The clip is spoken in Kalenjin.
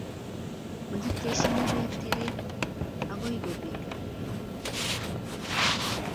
Mokitesyin beek teret ago bo beek